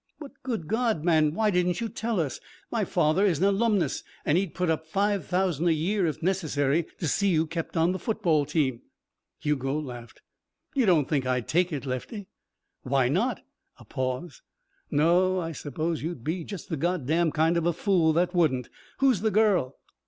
"But, good God, man, why didn't you tell us? My father is an alumnus and he'd put up five thousand a year, if necessary, to see you kept on the football team." Hugo laughed. "You don't think I'd take it, Lefty?" "Why not?" A pause. "No, I suppose you'd be just the God damned kind of a fool that wouldn't. Who's the girl?"